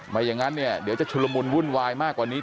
อย่างนั้นเนี่ยเดี๋ยวจะชุลมุนวุ่นวายมากกว่านี้